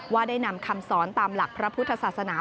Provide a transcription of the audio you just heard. ได้นำคำสอนตามหลักพระพุทธศาสนา